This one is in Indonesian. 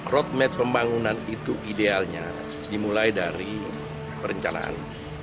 roadmap pembangunan itu idealnya dimulai dari perencanaan